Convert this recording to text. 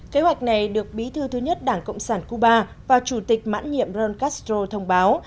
kế hoạch này được bí thư thứ nhất đảng cộng sản cuba và chủ tịch mãn nhiệm ren castro thông báo